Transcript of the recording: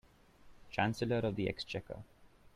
Chancellor of the Exchequer